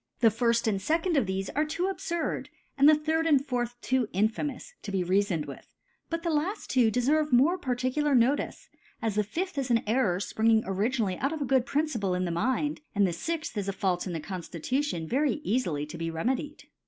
The firft and fecond of thefe are too ab furd, and the third and fourth too infamous to ( i65 ) to be reafoned with. But the two laft dc ferve more particular Notice, as the fifth is an Error fpringing originally out of a good Principle in the Mind, and the fixth is a Fault in the Conftitution very eafily to be remedied.